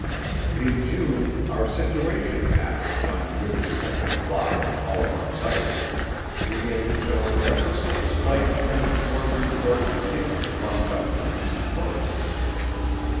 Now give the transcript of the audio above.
In June our situation map, on which we kept a plot of all of our sightings, began to show an ever so slight trend toward reports beginning to bunch up on the east coast.